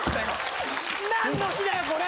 何の日だよこれ！